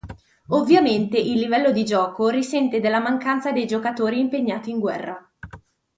Ovviamente il livello di gioco risente della mancanza dei giocatori impegnati in guerra.